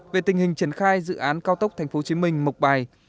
về tình hình triển khai dự án cao tốc tp hcm mộc bài